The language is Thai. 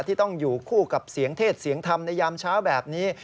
ที่ต้องอยู่คู่กับเสียงเทศเสียงธรรมในยามเช้าแบบนี้